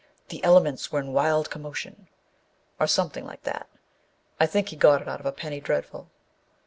The elements were in wild commotion!" â or some thing like that. I think he got it out of a " Penny Dreadful."